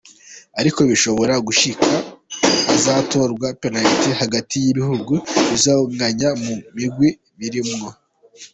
Ariko bishobora gushika ko hazoterwa penaliti hagati y'ibihugu bizonganya mu migwi birimwo.